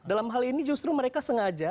dalam hal ini justru mereka sengaja